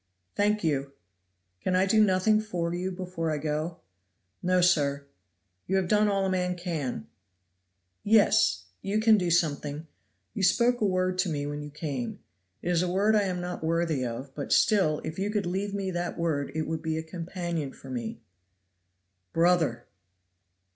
"Thank you." "Can I do nothing for you before I go?" "No, sir; you have done all a man can; yes, you can do something you spoke a word to me when you came; it is a word I am not worthy of, but still if you could leave me that word it would be a companion for me." "Brother!"